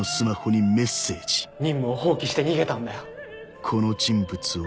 任務を放棄して逃げたんだよ。